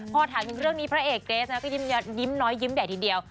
พอถามถึงเรื่องนี้พระเอกเกรสนะก็ยิ้มน้อยยิ้มใหญ่ทีเดียว